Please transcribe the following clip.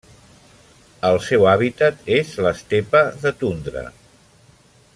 El seu hàbitat és l'estepa de tundra.